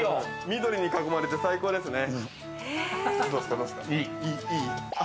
緑に囲まれて、最高ですね！